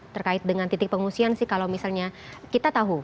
terkait dengan titik pengungsian sih kalau misalnya kita tahu